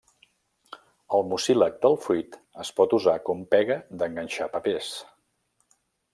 El mucílag del fruit es pot usar com pega d'enganxar papers.